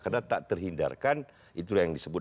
karena tak terhindarkan itulah yang disebut